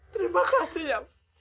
terima kasih ya allah